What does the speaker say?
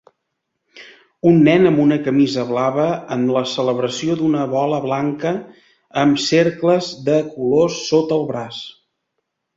Un nen amb una camisa blava en la celebració d'una bola blanca amb cercles de colors sota el braç.